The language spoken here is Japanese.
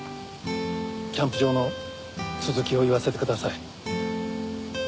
キャンプ場の続きを言わせてください。